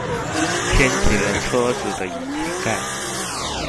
掀起了車子的引擎蓋